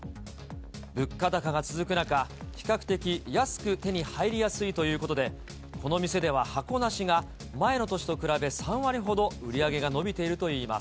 物価高が続く中、比較的安く手に入りやすいということで、この店では箱なしが、前の年と比べ３割ほど売り上げが伸びているといいます。